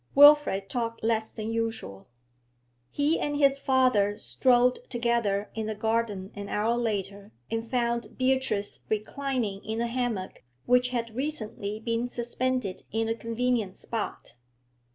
Wilfrid talked less than usual. He and his father strolled together into the garden an hour later, and found Beatrice reclining in a hammock which had recently been suspended in a convenient spot.